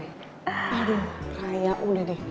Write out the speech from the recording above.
aduh raya udah deh